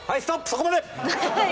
そこまで！